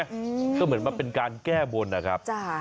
อือก็เหมือนละมาเป็นการแก้บนอะครับ